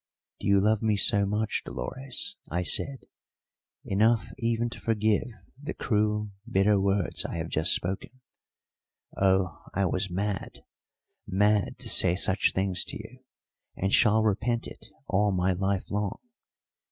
"Do you love me so much, Dolores," I said, "enough even to forgive the cruel, bitter words I have just spoken? Oh, I was mad mad to say such things to you, and shall repent it all my life long!